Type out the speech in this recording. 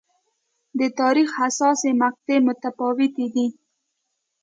د تاریخ حساسې مقطعې متفاوتې دي.